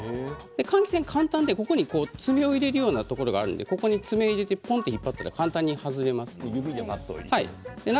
換気扇は簡単でここに爪を入れるようなところがあるのでぽんと引っ張ったら簡単に外れます。